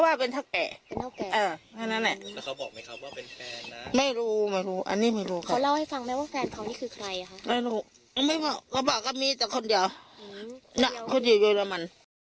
ไม่บอกก็บอกก็มีแต่คนเดียวนั่นเขาอยู่ที่เยอรมัน